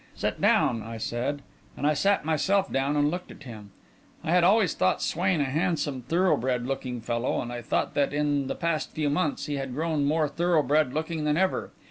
"Sit down," I said, and I sat down myself and looked at him. I had always thought Swain a handsome, thoroughbred looking fellow; and I saw that, in the past few months, he had grown more thoroughbred looking than ever.